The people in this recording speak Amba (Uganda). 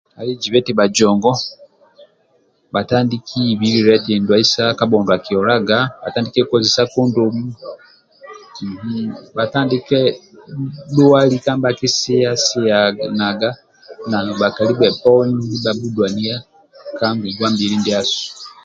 Ali jiba eti bhajongo bhatandiki ibhililiya eti ndwali sa kabhondo akiolaga bhatandike kozesa kondomu bhatandiki dhuwa lika nibjakisiya- siyana na buli nkali wena mindia bandulani ka ngongwa mbili ndiasu